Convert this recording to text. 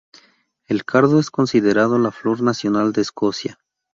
El cardo es considerado la flor nacional de Escocia.